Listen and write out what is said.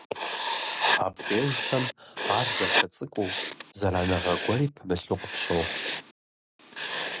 Абдежхэм ар дахэ цӀыкӀуу, зэраныгъэ гуэри пымылъу къыпщохъу.